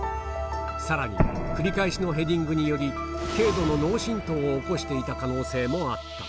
さらに繰り返しのヘディングにより、軽度の脳震とうを起こしていた可能性もあった。